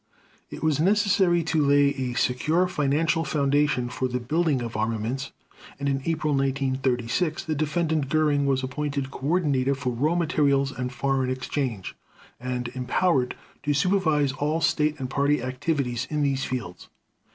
It was necessary to lay a secure financial foundation for the building of armaments, and in April 1936 the Defendant Göring was appointed coordinator for raw materials and foreign exchange, and empowered to supervise all State and Party activities in these fields.